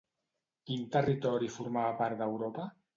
Quin territori formava part d'Europa?